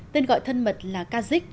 tên gọi thân mật là kazik